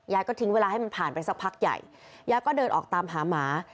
ก็ทิ้งเวลาให้มันผ่านไปสักพักใหญ่ยายก็เดินออกตามหาหมา